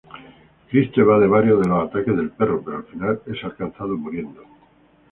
Cristo evade varios de los ataques del perro, pero al final es alcanzado, muriendo.